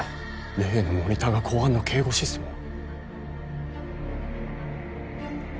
例のモニターが公安の警護システムを？